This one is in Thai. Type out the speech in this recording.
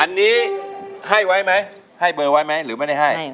อันนี้ให้ไว้ไหมให้เบอร์ไว้ไหมหรือไม่ได้ให้